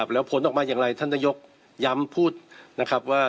แล้วผลออกมาอย่างไรท่านนายกย้ำพูดนะครับว่า